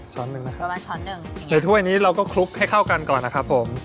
ใส่ทุ้ายนี้เราก็คลุกให้เข้ากันก่อนนะครับผม